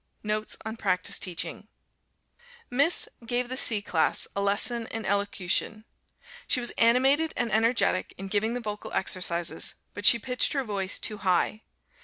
NOTES ON PRACTICE TEACHING. Miss gave the C class a lesson in Elocution. She was animated and energetic in giving the vocal exercises, but she pitched her voice too high.